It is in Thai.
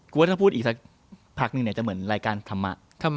ว่าถ้าพูดอีกสักพักนึงเนี่ยจะเหมือนรายการธรรมะ